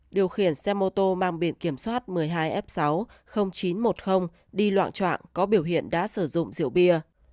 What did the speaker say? điều khiển xe mô tô mang biện kiểm soát một mươi hai f sáu chín trăm một mươi đi loạn trọng có biểu hiện đã sử dụng rượu bia